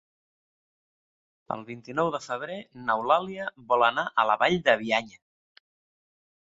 El vint-i-nou de febrer n'Eulàlia vol anar a la Vall de Bianya.